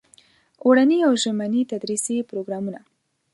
اوړني او ژمني تدریسي پروګرامونه.